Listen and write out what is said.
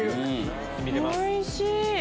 おいしい！